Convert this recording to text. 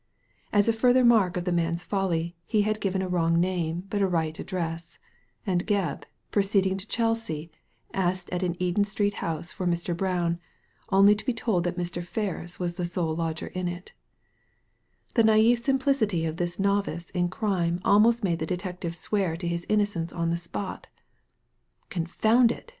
As a further mark of the man's folly, he had given a wrong name but a right address ; and Gebb, proceed ing to Chelsea, asked at an Eden Street house for Mr. Brown, only to be told that Mr. Ferris was the sole lodger in it The naive simplicity of this novice in crime almost made the detective swear to his innocence on the spot •'Confound it!"